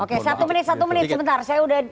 oke satu menit sebentar saya udah